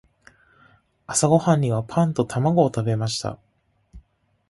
朝ごはんにはパンと卵を食べました。